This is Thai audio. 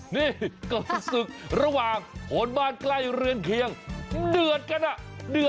นี่ก็ศึกระหว่างคนบ้านใกล้เรือนเคียงเดือดกันอ่ะ